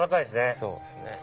そうですね。